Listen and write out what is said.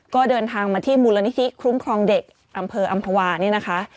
ก็เดินทางมาที่มูลนิธิคุ้มครองเด็กอำเภออำภาวานี่นะคะ